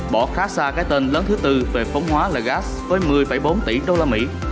bỏ khá xa cái tên lớn thứ tư về vốn hóa lagasse với một mươi bốn tỷ đô la mỹ